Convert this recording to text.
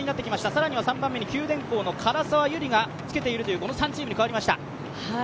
更には３番目に九電工の唐沢ゆりがつけているというこの３チームに変わりました。